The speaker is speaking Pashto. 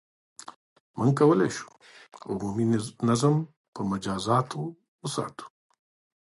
• موږ کولای شو، عمومي نظم په مجازاتو وساتو.